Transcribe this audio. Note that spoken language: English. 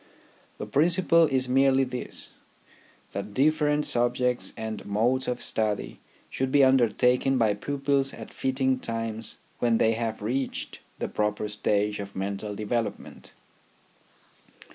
The principle is merely this that different subjects and modes of study should be undertaken by pupils at fitting times when they have reached the proper stage of mental development.